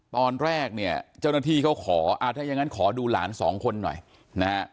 ตอนแรกเนี่ยเจ้าหน้าที่เขาขออ่าถ้ายังงั้นขอดูหลานสองคนหน่อยนะฮะ